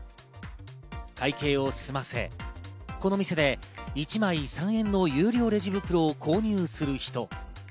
会計を済ませ、この店で一枚３円の有料レジ袋を購入する人。